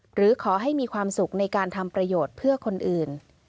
หรือขอให้มีความสุขในการทำประโยชน์เพื่อคนอื่น